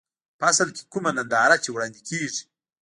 په اصل کې کومه ننداره چې وړاندې کېږي.